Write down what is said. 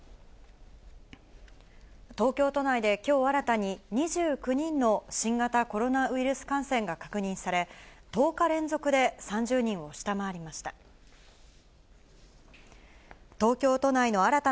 東京都内できょう新たに２９人の新型コロナウイルス感染が確認され、１０日連続で３０人を下回りました。